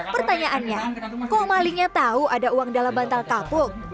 pertanyaannya kok malingnya tahu ada uang dalam bantal kapuk